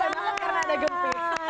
tentukan banget karena ada gempy